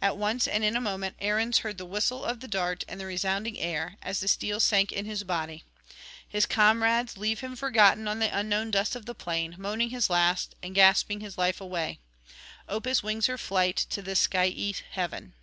At once and in a moment Arruns heard the whistle of the dart and the resounding air, as the steel sank in his body. His comrades leave him forgotten on the unknown dust of the plain, moaning his last and gasping his life away; Opis wings her flight to the skyey heaven.